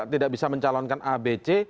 tidak bisa mencalonkan abc